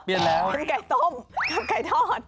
เป็นไก่ต้มทำไก่ทอด